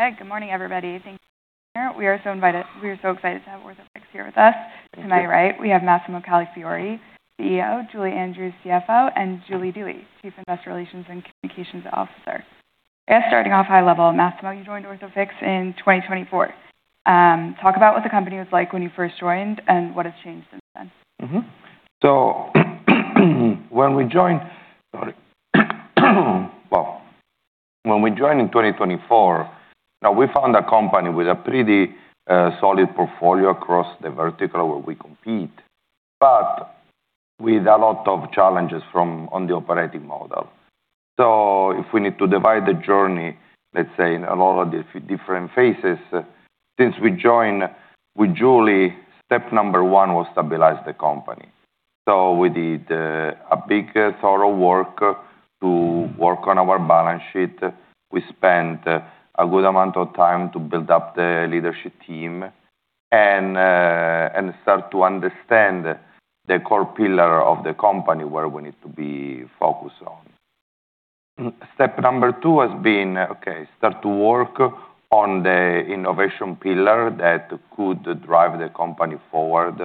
Okay. Good morning, everybody. Thank you for being here. We are so excited to have Orthofix here with us. Thank you. To my right, we have Massimo Calafiore, CEO, Julie Andrews, CFO, and Julie Dewey, Chief Investor Relations and Communications Officer. I guess starting off high level, Massimo, you joined Orthofix in 2024. Talk about what the company was like when you first joined and what has changed since then. Well, when we joined in 2024, now we found a company with a pretty solid portfolio across the vertical where we compete, but with a lot of challenges from on the operating model. If we need to divide the journey, let's say, in a lot of different phases, since we join with Julie, step number one was stabilize the company. We did a big thorough work to work on our balance sheet. We spent a good amount of time to build up the leadership team and start to understand the core pillar of the company where we need to be focused on. Step number two has been, okay, start to work on the innovation pillar that could drive the company forward,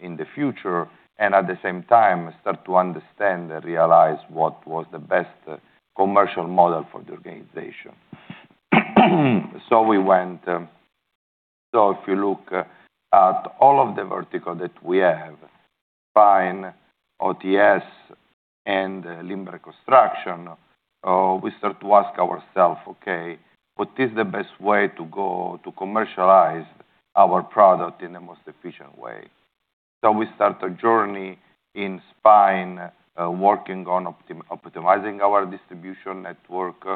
in the future. At the same time, start to understand and realize what was the best commercial model for the organization. If you look at all of the vertical that we have, Spine, OTS, and Limb Reconstruction, we start to ask ourself, what is the best way to go to commercialize our product in the most efficient way? We start a journey in Spine, working on optimizing our distribution network,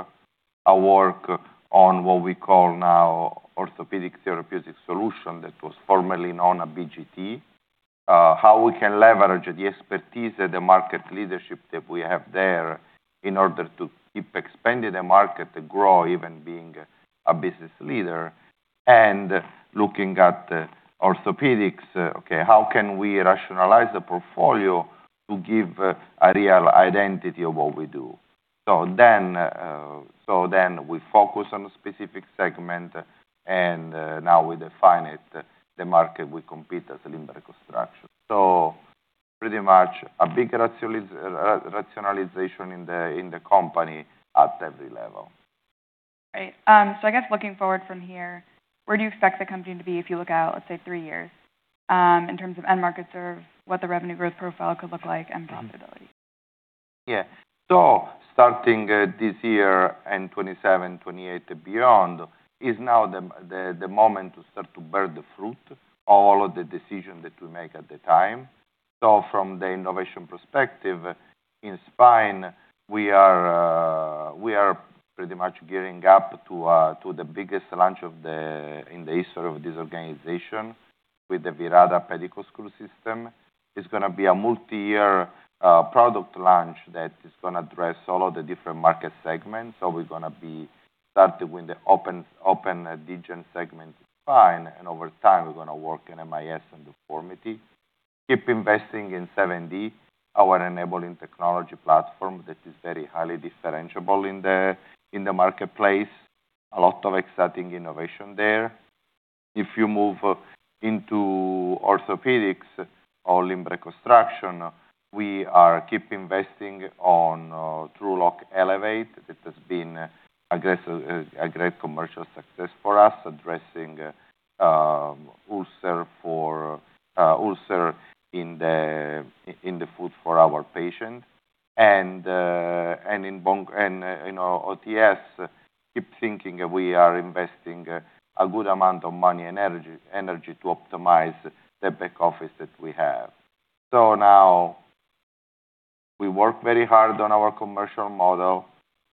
a work on what we call now Therapeutic Solutions, that was formerly known as BGT. How we can leverage the expertise and the market leadership that we have there in order to keep expanding the market to grow, even being a business leader and looking at orthopedics. How can we rationalize the portfolio to give a real identity of what we do? We focus on a specific segment, and now we define it, the market we compete as a Limb Reconstruction. Pretty much a big rationalization in the company at every level. Great. I guess looking forward from here, where do you expect the company to be if you look out, let's say, three years, in terms of end markets or what the revenue growth profile could look like and profitability? Starting this year, 2027, 2028 and beyond is now the moment to start to bear the fruit of all of the decision that we make at the time. From the innovation perspective, in Spine, we are pretty much gearing up to the biggest launch in the history of this organization with the Virata Spinal Fixation System. It's going to be a multi-year product launch that is going to address all of the different market segments. We're going to be starting with the open degenerative segment in Spine, and over time, we're going to work in MIS and Deformity. Keep investing in 7D, our enabling technology platform that is very highly differentiable in the marketplace. A lot of exciting innovation there. If you move into orthopedics or Limb Reconstruction, we are keep investing on TrueLok Elevate. That has been a great commercial success for us, addressing ulcer in the foot for our patient. In OTS, keep thinking we are investing a good amount of money and energy to optimize the back office that we have. Now we work very hard on our commercial model.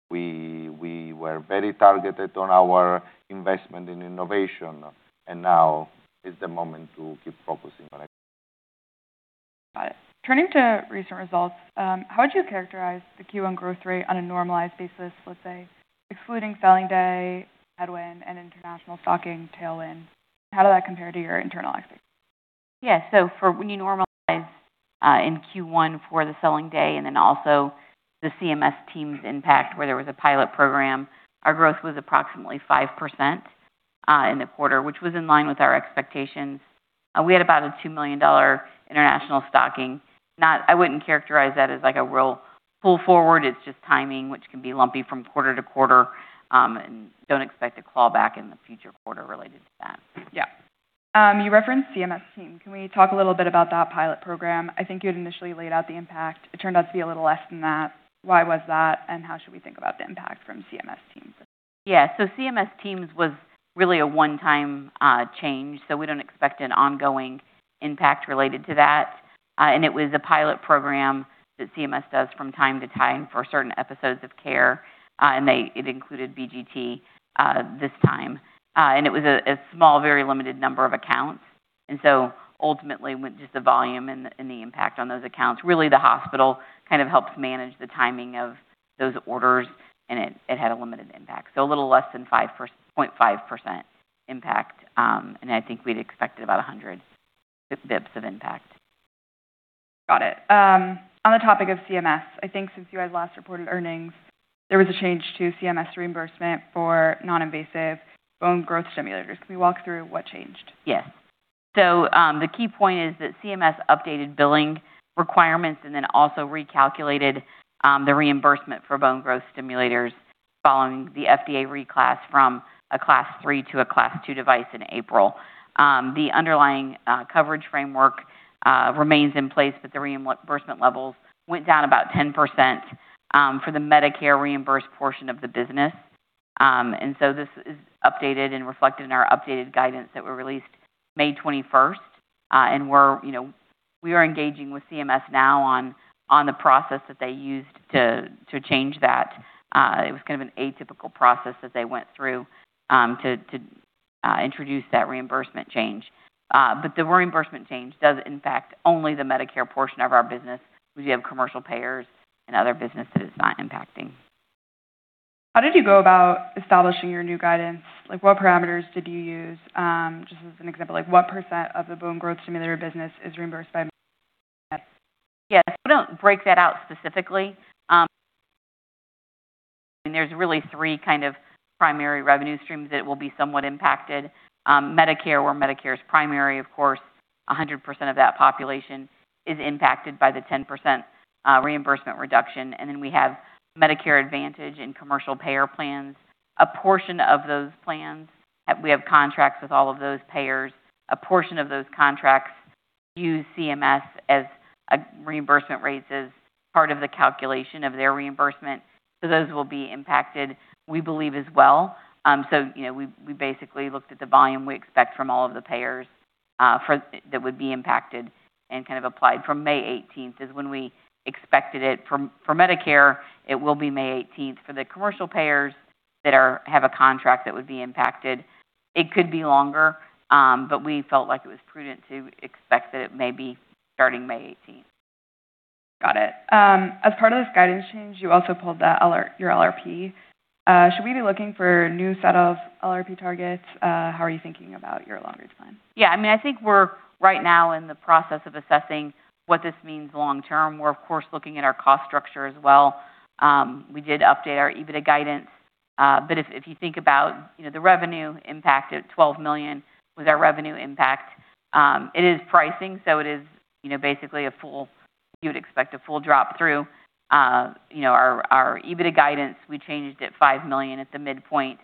We were very targeted on our investment in innovation, now is the moment to keep focusing on it. Got it. Turning to recent results, how would you characterize the Q1 growth rate on a normalized basis, let's say, excluding selling day, headwind, and international stocking tailwind? How did that compare to your internal expectations? Yeah. For when you normalize, in Q1 for the selling day, and then also the CMS TEAM impact, where there was a pilot program, our growth was approximately 5% in the quarter, which was in line with our expectations. We had about a $2 million international stocking. I wouldn't characterize that as like a real pull forward. It's just timing, which can be lumpy from quarter to quarter, and don't expect a clawback in the future quarter related to that. Yeah. You referenced CMS TEAM. Can we talk a little bit about that pilot program? I think you had initially laid out the impact. It turned out to be a little less than that. Why was that, and how should we think about the impact from CMS TEAM? Yeah. CMS TEAM was really a one-time change, so we don't expect an ongoing impact related to that. It was a pilot program that CMS does from time to time for certain episodes of care. It included BGT, this time. It was a small, very limited number of accounts. Ultimately with just the volume and the impact on those accounts, really the hospital kind of helps manage the timing of those orders, and it had a limited impact. A little less than 0.5% impact. I think we'd expected about 100 basis points of impact. Got it. On the topic of CMS, I think since you had last reported earnings, there was a change to CMS reimbursement for non-invasive bone growth stimulators. Can we walk through what changed? Yes. The key point is that CMS updated billing requirements and then also recalculated the reimbursement for bone growth stimulators following the FDA reclass from a Class III to a Class II device in April. The underlying coverage framework remains in place, the reimbursement levels went down about 10% for the Medicare reimbursed portion of the business. This is updated and reflected in our updated guidance that we released May 21st, and we are engaging with CMS now on the process that they used to change that. It was kind of an atypical process that they went through to introduce that reimbursement change. The reimbursement change does impact only the Medicare portion of our business. We do have commercial payers and other business that it's not impacting. How did you go about establishing your new guidance? What parameters did you use? Just as an example, what percent of the bone growth stimulator business is reimbursed by? Yes. We don't break that out specifically. There's really three primary revenue streams that will be somewhat impacted. Medicare, where Medicare's primary, of course, 100% of that population is impacted by the 10% reimbursement reduction. We have Medicare Advantage and commercial payer plans. A portion of those plans, we have contracts with all of those payers. A portion of those contracts use CMS as reimbursement rates as part of the calculation of their reimbursement. Those will be impacted, we believe, as well. We basically looked at the volume we expect from all of the payers that would be impacted and applied from May 18th is when we expected it. For Medicare, it will be May 18th. For the commercial payers that have a contract that would be impacted, it could be longer. We felt like it was prudent to expect that it may be starting May 18th. Got it. As part of this guidance change, you also pulled your LRP. Should we be looking for a new set of LRP targets? How are you thinking about your longer term plan? I think we're right now in the process of assessing what this means long term. We're of course looking at our cost structure as well. We did update our EBITDA guidance. If you think about the revenue impact at $12 million with our revenue impact, it is pricing. It is basically you would expect a full drop through. Our EBITDA guidance, we changed it $5 million at the midpoint,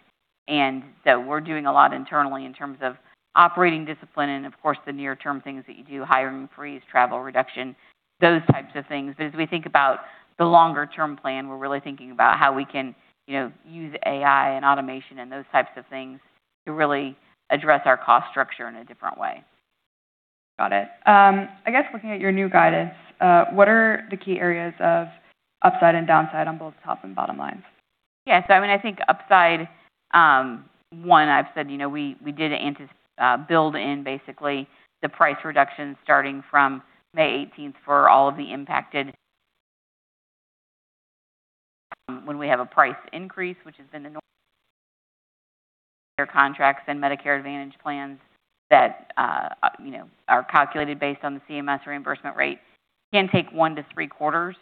we're doing a lot internally in terms of operating discipline and, of course, the near-term things that you do, hiring freeze, travel reduction, those types of things. As we think about the longer-term plan, we're really thinking about how we can use AI and automation and those types of things to really address our cost structure in a different way. Got it. Looking at your new guidance, what are the key areas of upside and downside on both top and bottom lines? Yeah. I think upside, one, I've said we did build in basically the price reduction starting from May 18th for all of the impacted. When we have a price increase, which has been the contracts and Medicare Advantage plans that are calculated based on the CMS reimbursement rate can take one to three quarters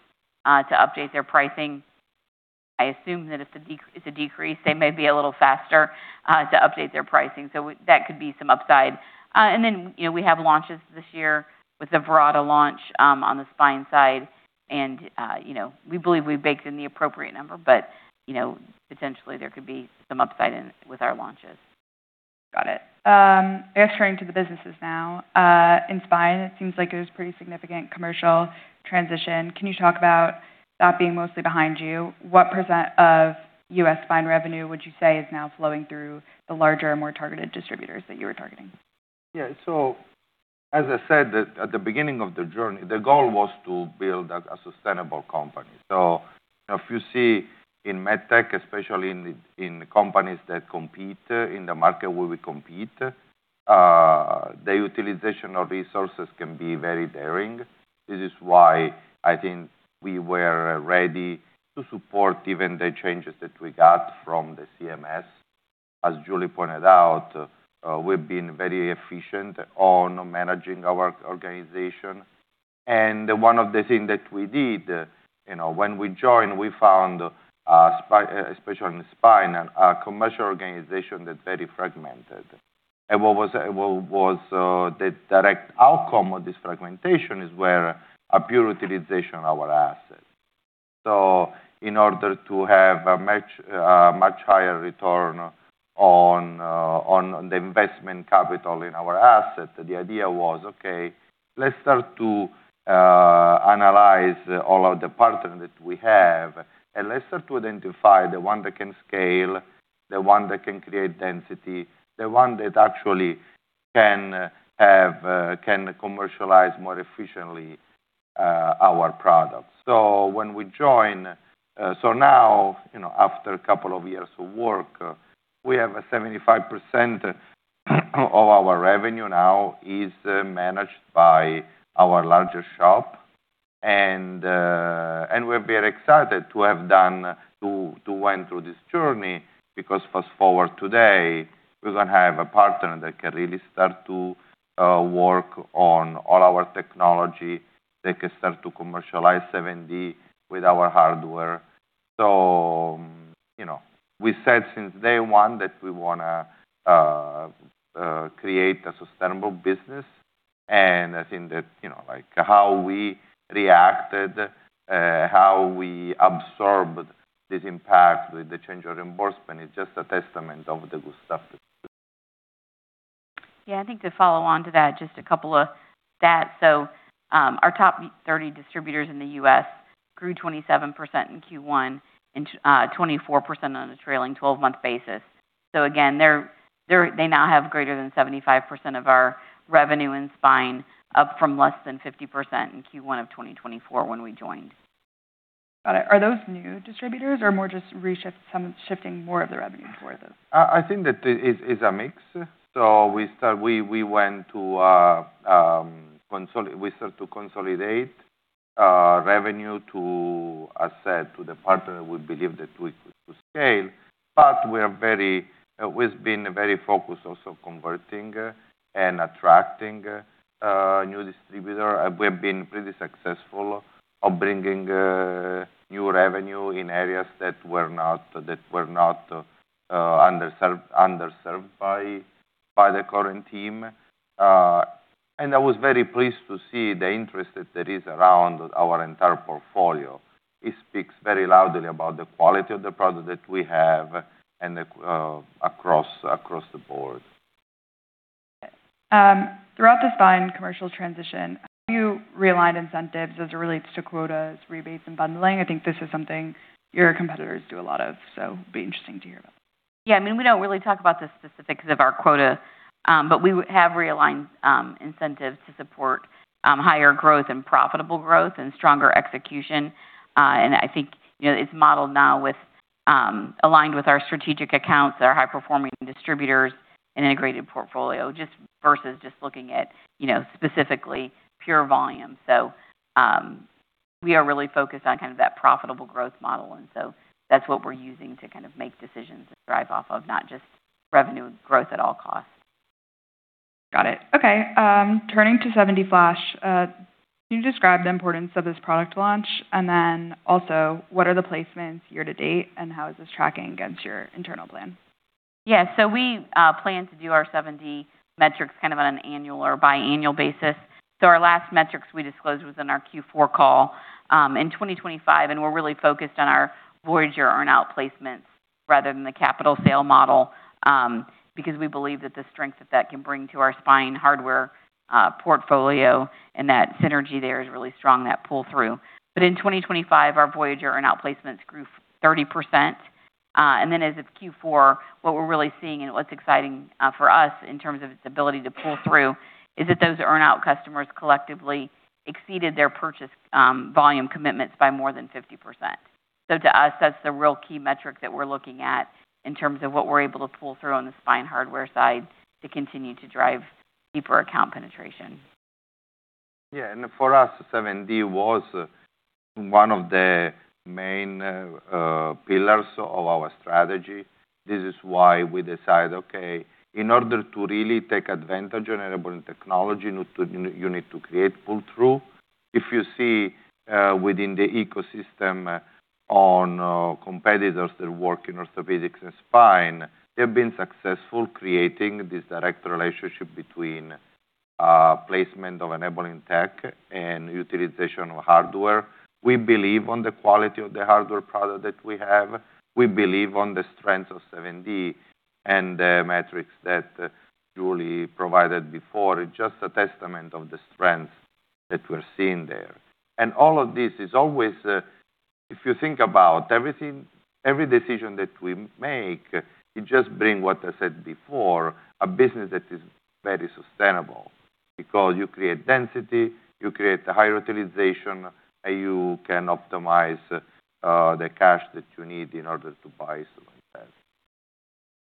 to update their pricing. I assume that if it's a decrease, they may be a little faster to update their pricing. That could be some upside. We have launches this year with the Virata launch on the spine side, and we believe we've baked in the appropriate number. Potentially, there could be some upside in with our launches. Got it. I guess, turning to the businesses now. In spine, it seems like it was pretty significant commercial transition. Can you talk about that being mostly behind you? What % of U.S. spine revenue would you say is now flowing through the larger and more targeted distributors that you were targeting? Yeah. As I said that at the beginning of the journey, the goal was to build a sustainable company. If you see in med tech, especially in companies that compete in the market where we compete, the utilization of resources can be very varying. This is why I think we were ready to support even the changes that we got from the CMS. As Julie pointed out, we've been very efficient on managing our organization. One of the things that we did, when we joined, we found, especially in spine, a commercial organization that's very fragmented. What was the direct outcome of this fragmentation is where a poor utilization of our assets. In order to have a much higher return on the investment capital in our asset, the idea was, okay, let's start to analyze all of the partners that we have, and let's start to identify the one that can scale, the one that can create density, the one that actually can commercialize more efficiently our products. Now, after a couple of years of work, we have 75% of our revenue now is managed by our larger shop. And we're very excited to have to went through this journey because fast-forward today, we're going to have a partner that can really start to work on all our technology. They can start to commercialize 7D with our hardware. We said since day one that we want to create a sustainable business, and I think that how we reacted, how we absorbed this impact with the change of reimbursement is just a testament of the good stuff that. Yeah, I think to follow on to that, just a couple of stats. Our top 30 distributors in the U.S. grew 27% in Q1, and 24% on a trailing 12-month basis. Again, they now have greater than 75% of our revenue in spine, up from less than 50% in Q1 of 2024 when we joined. Got it. Are those new distributors or more just shifting more of the revenue towards those? I think that it is a mix. We start to consolidate revenue to asset, to the partner we believe that we could scale. We've been very focused also converting and attracting a new distributor. We've been pretty successful of bringing new revenue in areas that were not underserved by the current team. I was very pleased to see the interest that is around our entire portfolio. It speaks very loudly about the quality of the product that we have and across the board. Throughout the spine commercial transition, have you realigned incentives as it relates to quotas, rebates, and bundling? I think this is something your competitors do a lot of, so it'd be interesting to hear about. Yeah. We don't really talk about the specifics of our quota. We have realigned incentives to support higher growth and profitable growth and stronger execution. I think it's modeled now, aligned with our strategic accounts that are high-performing distributors and integrated portfolio, versus just looking at specifically pure volume. We are really focused on that profitable growth model. That's what we're using to make decisions and drive off of, not just revenue growth at all costs. Got it. Okay. Turning to 7D Flash, can you describe the importance of this product launch? Then also, what are the placements year to date, and how is this tracking against your internal plan? Yeah. We plan to do our 7D metrics on an annual or biannual basis. Our last metrics we disclosed was in our Q4 call in 2025, and we're really focused on our Voyager earn-out placements rather than the capital sale model, because we believe that the strength that can bring to our spine hardware portfolio and that synergy there is really strong, that pull-through. In 2025, our Voyager earn-out placements grew 30%. Then as of Q4, what we're really seeing and what's exciting for us in terms of its ability to pull through, is that those earn-out customers collectively exceeded their purchase volume commitments by more than 50%. To us, that's the real key metric that we're looking at in terms of what we're able to pull through on the spine hardware side to continue to drive deeper account penetration. Yeah. For us, 7D was one of the main pillars of our strategy. This is why we decide, okay, in order to really take advantage of enabling technology, you need to create pull-through. If you see within the ecosystem on competitors that work in orthopedics and spine, they've been successful creating this direct relationship between placement of enabling tech and utilization of hardware. We believe on the quality of the hardware product that we have. We believe on the strength of 7D, and the metrics that Julie provided before is just a testament of the strength that we're seeing there. All of this is always, if you think about every decision that we make, it just bring what I said before, a business that is very sustainable because you create density, you create a higher utilization, you can optimize the cash that you need in order to buy some of that.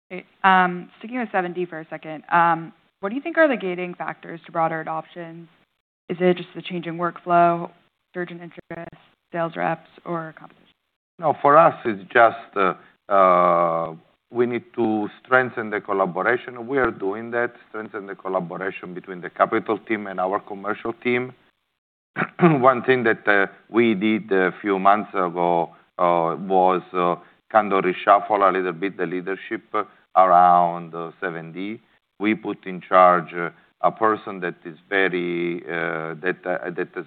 Great. Sticking with 7D for a second, what do you think are the gating factors to broader adoption? Is it just the change in workflow, surgeon interest, sales reps, or competition? For us, it's just we need to strengthen the collaboration. We are doing that, strengthen the collaboration between the capital team and our commercial team. One thing that we did a few months ago, was kind of reshuffle a little bit the leadership around 7D. We put in charge a person that has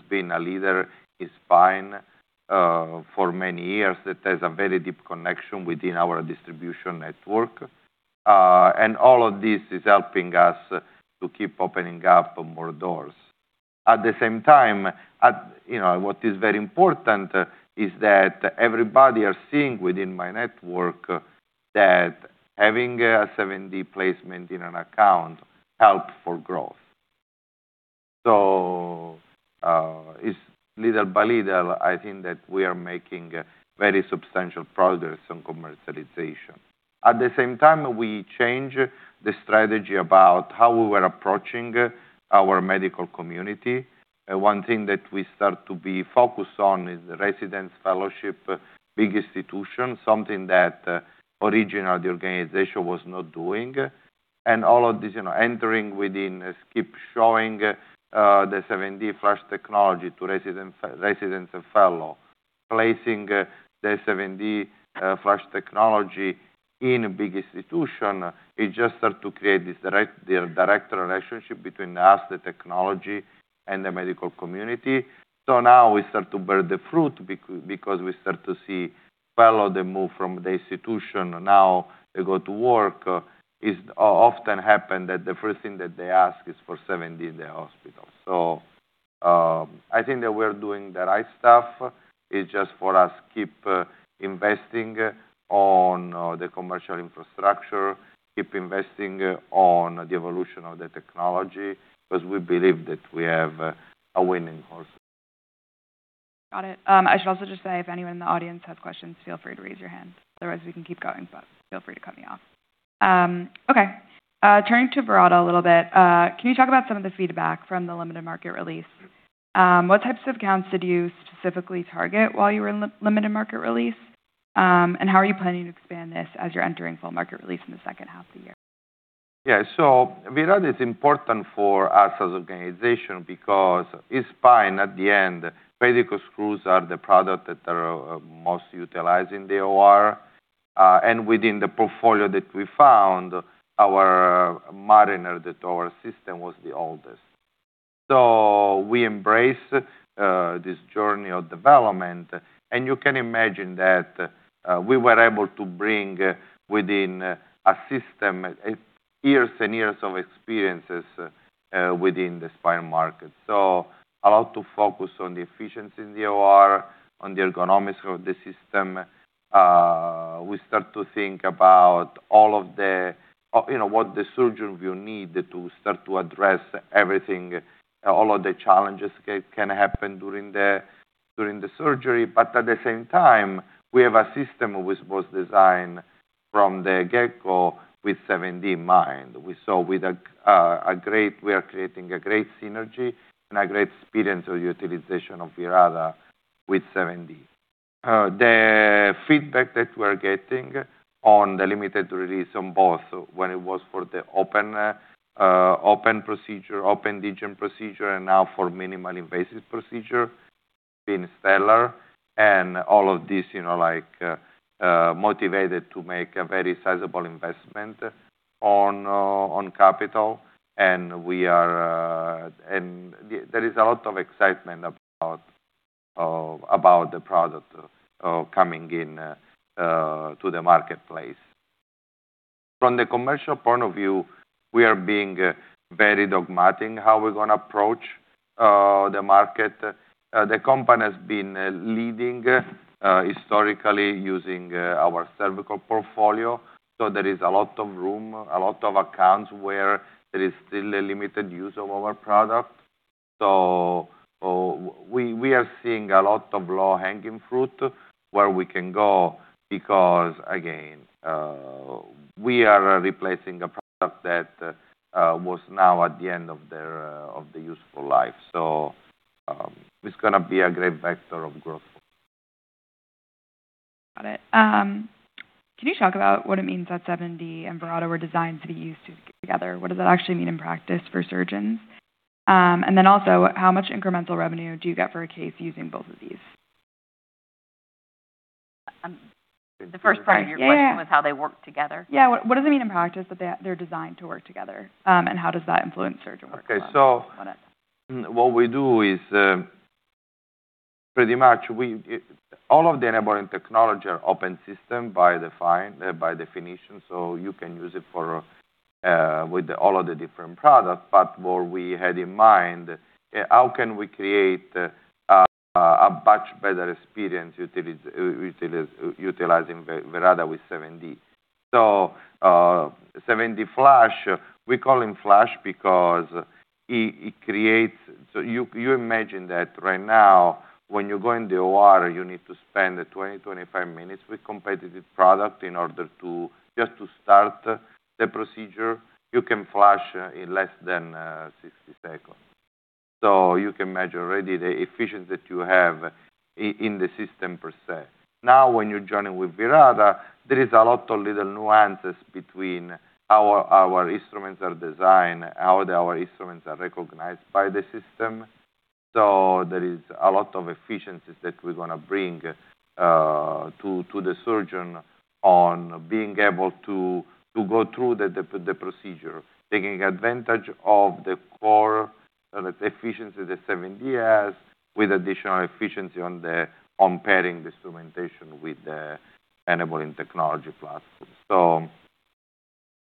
been a leader in spine for many years, that has a very deep connection within our distribution network. All of this is helping us to keep opening up more doors. At the same time, what is very important is that everybody are seeing within my network that having a 7D placement in an account help for growth. It's little by little, I think that we are making very substantial progress on commercialization. At the same time, we change the strategy about how we were approaching our medical community. One thing that we start to be focused on is the residence fellowship, big institution, something that originally the organization was not doing. All of this, entering within, keep showing the 7D FLASH technology to residents and fellow. Placing the 7D FLASH technology in a big institution, it just start to create this direct relationship between us, the technology, and the medical community. Now we start to bear the fruit because we start to see fellow, they move from the institution, now they go to work, is often happen that the first thing that they ask is for 7D in the hospital. I think that we're doing the right stuff. It's just for us, keep investing on the commercial infrastructure, keep investing on the evolution of the technology, because we believe that we have a winning horse. Got it. I should also just say, if anyone in the audience has questions, feel free to raise your hand. Otherwise, we can keep going, but feel free to cut me off. Okay. Turning to Virata a little bit, can you talk about some of the feedback from the limited market release? What types of accounts did you specifically target while you were in limited market release? How are you planning to expand this as you're entering full market release in the second half of the year? Yeah. Virata is important for us as organization because it's spine at the end. Pedicle screws are the product that are most utilized in the OR. Within the portfolio that we found, our Mariner, the tower system was the oldest. We embrace this journey of development, and you can imagine that we were able to bring within a system, years and years of experiences within the spine market. A lot to focus on the efficiency in the OR, on the ergonomics of the system. We start to think about what the surgeon will need to start to address everything, all of the challenges can happen during the surgery. At the same time, we have a system which was designed from the get-go with 7D in mind. We are creating a great synergy and a great experience of utilization of Virata with 7D. The feedback that we're getting on the limited release on both, when it was for the open degenerative procedure, and now for minimally invasive procedure, been stellar. All of this motivated to make a very sizable investment on capital. There is a lot of excitement about the product coming in to the marketplace. From the commercial point of view, we are being very dogmatic how we're going to approach the market. The company has been leading historically using our cervical portfolio. There is a lot of room, a lot of accounts where there is still a limited use of our product. We are seeing a lot of low-hanging fruit where we can go because, again, we are replacing a product that was now at the end of the useful life. It's going to be a great vector of growth for us. Got it. Can you talk about what it means that 7D and Virata were designed to be used together? What does that actually mean in practice for surgeons? Also, how much incremental revenue do you get for a case using both of these? The first part of your question- Yeah Was how they work together? Yeah. What does it mean in practice that they're designed to work together? How does that influence surgeon workflow? Okay. What we do is, pretty much all of the enabling technology are open system by definition, so you can use it with all of the different product. What we had in mind, how can we create a much better experience utilizing Virata with 7D. 7D Flash, we call him Flash because he creates. You imagine that right now when you go in the OR, you need to spend 20, 25 minutes with competitive product in order just to start the procedure. You can flash in less than 60 seconds. You can imagine already the efficiency that you have in the system, per se. Now, when you're joining with Virata, there is a lot of little nuances between how our instruments are designed, how our instruments are recognized by the system. There is a lot of efficiencies that we're going to bring to the surgeon on being able to go through the procedure, taking advantage of the core efficiency the 7D has, with additional efficiency on pairing the instrumentation with the enabling technology platform.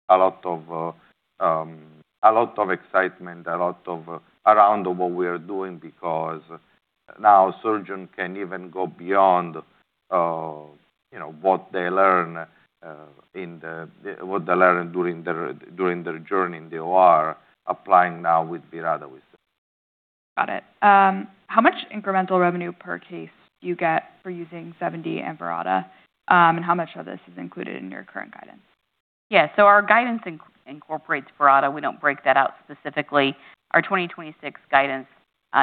A lot of excitement around what we are doing because now surgeon can even go beyond what they learn during their journey in the OR, applying now with Virata. Got it. How much incremental revenue per case do you get for using 7D and Virata? How much of this is included in your current guidance? Yeah. Our guidance incorporates Virata. We don't break that out specifically. Our 2026 guidance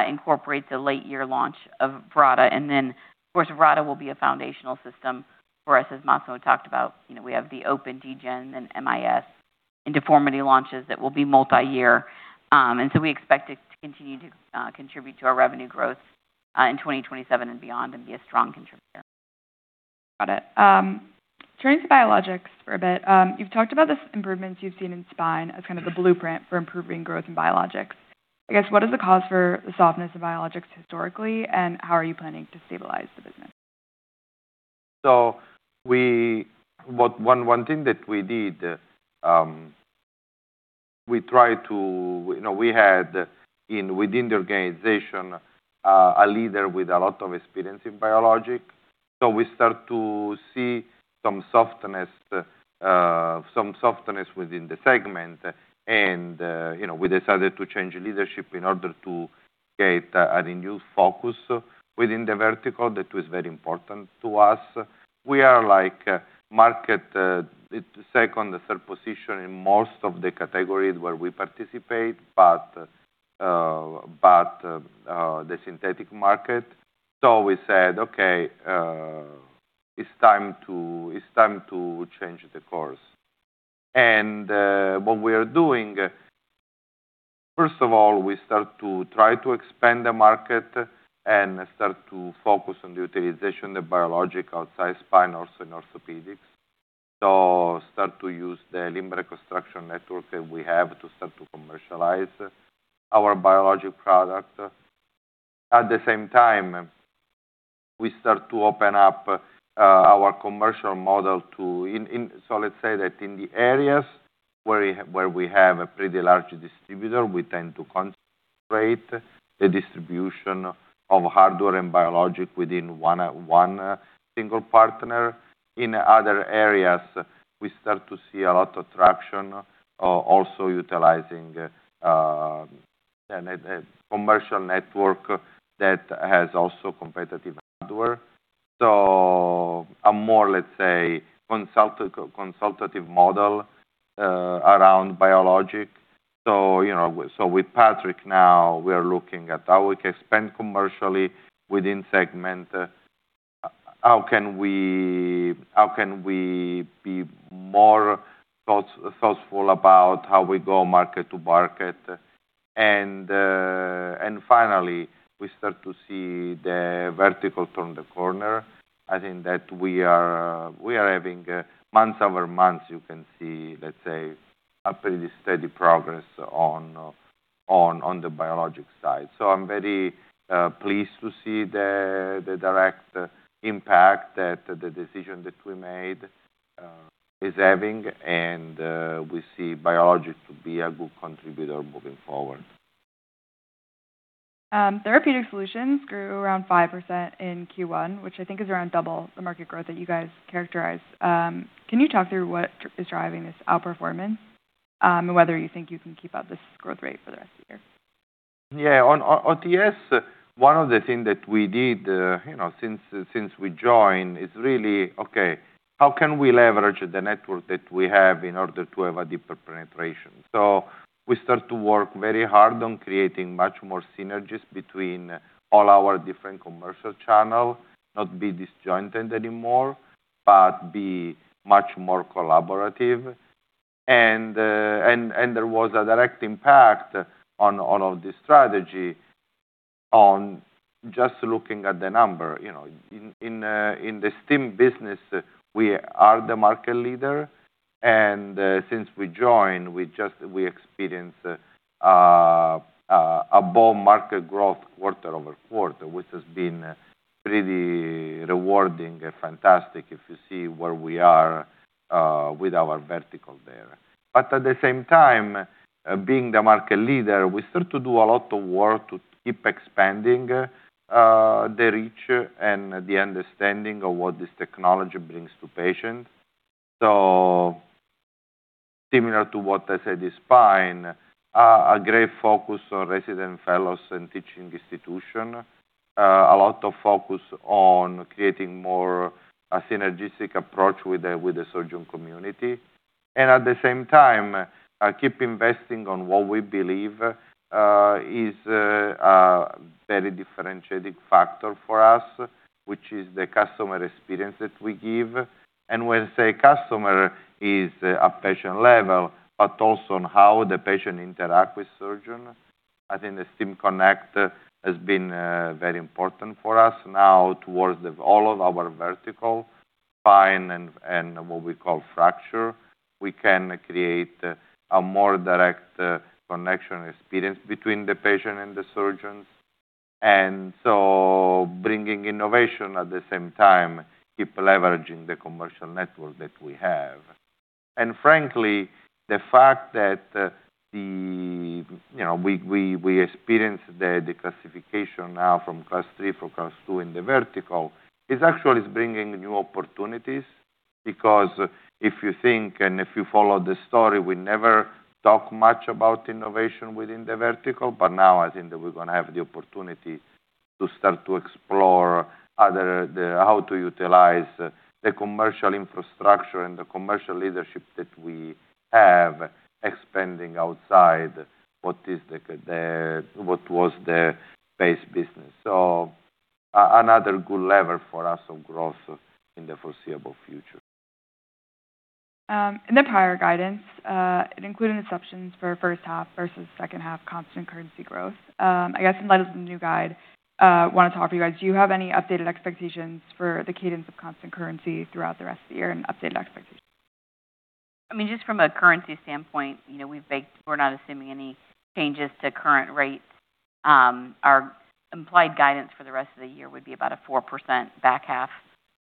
incorporates a late year launch of Virata. Then, of course, Virata will be a foundational system for us, as Massimo talked about. We have the open DGen and MIS and deformity launches that will be multi-year. We expect it to continue to contribute to our revenue growth in 2027 and beyond and be a strong contributor. Got it. Turning to biologics for a bit. You've talked about the improvements you've seen in spine as kind of the blueprint for improving growth in biologics. I guess, what is the cause for the softness of biologics historically, and how are you planning to stabilize the business? One thing that we did, we had within the organization, a leader with a lot of experience in biologics. We start to see some softness within the segment. We decided to change leadership in order to get a renewed focus within the vertical. That was very important to us. We are like market, second or third position in most of the categories where we participate, but the synthetic market. We said, "Okay, it's time to change the course." What we are doing, first of all, we start to try to expand the market and start to focus on the utilization of biologics outside spine, also in orthopedics. Start to use the Limb Reconstruction network that we have to start to commercialize our biologics product. At the same time, we start to open up our commercial model too. Let's say that in the areas where we have a pretty large distributor, we tend to concentrate the distribution of hardware and biologics within one single partner. In other areas, we start to see a lot of traction, also utilizing the commercial network that has also competitive hardware. A more, let's say, consultative model around biologics. With Patrick now, we are looking at how we can expand commercially within segment. How can we be more thoughtful about how we go market to market? Finally, we start to see the vertical turn the corner. I think that we are having month-over-month, you can see, let's say, a pretty steady progress on the biologics side. I'm very pleased to see the direct impact that the decision that we made is having, and we see biologics to be a good contributor moving forward. Therapeutic Solutions grew around 5% in Q1, which I think is around double the market growth that you guys characterized. Can you talk through what is driving this outperformance? Whether you think you can keep up this growth rate for the rest of the year. Yeah. On OTS, one of the things that we did since we joined is really, okay, how can we leverage the network that we have in order to have a deeper penetration? We start to work very hard on creating much more synergies between all our different commercial channels, not be disjointed anymore, but be much more collaborative. There was a direct impact on all of this strategy on just looking at the number. In the STIM business, we are the market leader, and since we joined, we experienced above market growth quarter-over-quarter, which has been pretty rewarding and fantastic if you see where we are with our vertical there. At the same time, being the market leader, we start to do a lot of work to keep expanding the reach and the understanding of what this technology brings to patients. Similar to what I said in spine, a great focus on resident fellows and teaching institution. A lot of focus on creating more a synergistic approach with the surgeon community. At the same time, keep investing on what we believe is a very differentiating factor for us, which is the customer experience that we give. When I say customer is a patient level, but also on how the patient interact with surgeon. I think the STIMConnect has been very important for us now towards all of our vertical spine and what we call fracture. We can create a more direct connection experience between the patient and the surgeons. Bringing innovation at the same time, keep leveraging the commercial network that we have. Frankly, the fact that we experience the declassification now from Class III from Class II in the vertical is actually bringing new opportunities. Because if you think and if you follow the story, we never talk much about innovation within the vertical, but now I think that we're going to have the opportunity to start to explore how to utilize the commercial infrastructure and the commercial leadership that we have expanding outside what was the base business. Another good lever for us of growth in the foreseeable future. In the prior guidance, it included assumptions for first half versus second half constant currency growth. I guess in light of the new guide, I wanted to talk to you guys, do you have any updated expectations for the cadence of constant currency throughout the rest of the year and updated expectations? Just from a currency standpoint, we're not assuming any changes to current rates. Our implied guidance for the rest of the year would be about a 4% back half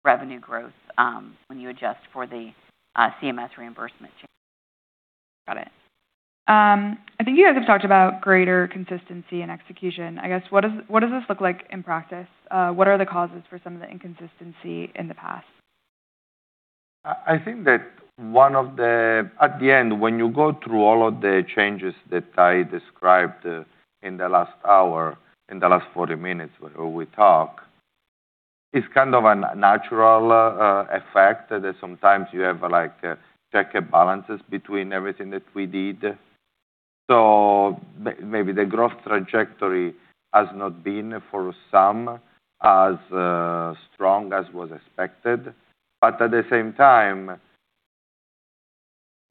revenue growth, when you adjust for the CMS reimbursement change. Got it. I think you guys have talked about greater consistency and execution. I guess, what does this look like in practice? What are the causes for some of the inconsistency in the past? I think that at the end, when you go through all of the changes that I described in the last hour, in the last 40 minutes where we talk, it's kind of a natural effect that sometimes you have check and balances between everything that we did. Maybe the growth trajectory has not been, for some, as strong as was expected. At the same time,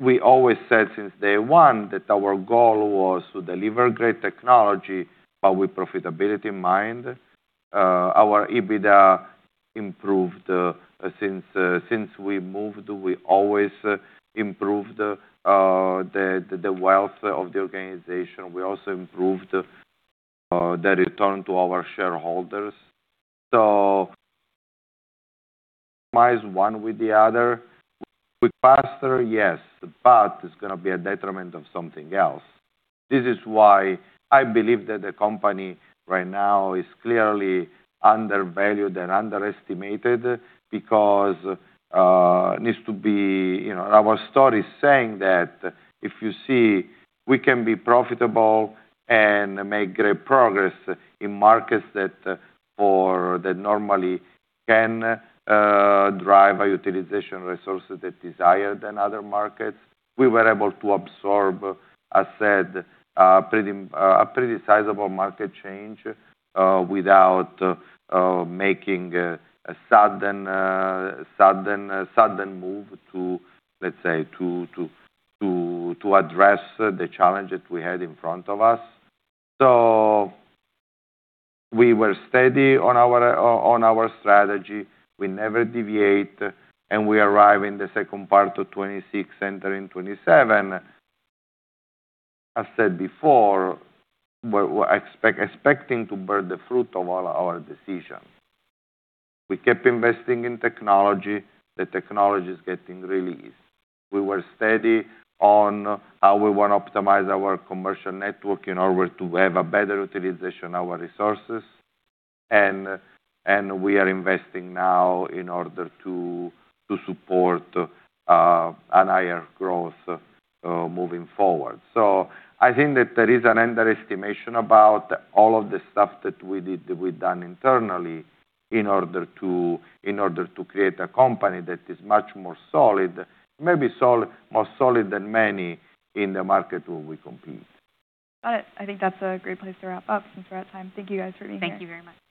we always said since day one that our goal was to deliver great technology, but with profitability in mind. Our EBITDA improved since we moved, we always improved the wealth of the organization. We also improved the return to our shareholders. Optimize one with the other. With faster, yes, but it's going to be a detriment of something else. This is why I believe that the company right now is clearly undervalued and underestimated because our story is saying that if you see we can be profitable and make great progress in markets that normally can drive a utilization resources that's higher than other markets. We were able to absorb, as said, a pretty sizable market change, without making a sudden move to, let's say, to address the challenge that we had in front of us. We were steady on our strategy. We never deviate, and we arrive in the second part of 2026, entering 2027. I said before, we're expecting to bear the fruit of all our decisions. We kept investing in technology. The technology is getting released. We were steady on how we want to optimize our commercial network in order to have a better utilization of our resources. We are investing now in order to support a higher growth, moving forward. I think that there is an underestimation about all of the stuff that we've done internally in order to create a company that is much more solid, maybe more solid than many in the market where we compete. Got it. I think that's a great place to wrap up since we're at time. Thank you guys for being here. Thank you very much.